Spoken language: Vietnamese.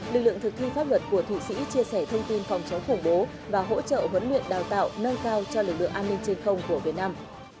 lực lượng thực thi pháp luật của thụy sĩ chia sẻ thông tin phòng chống khủng bố và hỗ trợ huấn luyện đào tạo nâng cao cho lực lượng an ninh trên không của việt nam